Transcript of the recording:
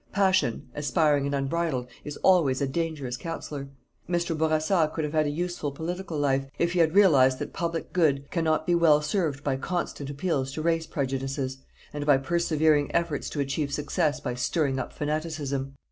Passion, aspiring and unbridled, is always a dangerous counsellor. Mr. Bourassa could have had a useful political life, if he had realized that public good cannot be well served by constant appeals to race prejudices, and by persevering efforts to achieve success by stirring up fanaticism.